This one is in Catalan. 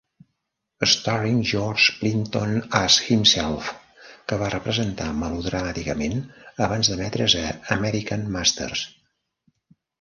"Starring George Plimpton as Himself", que va representar melodramàticament abans d'emetre's a American Masters.